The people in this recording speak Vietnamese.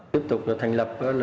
tiếp tục thành lập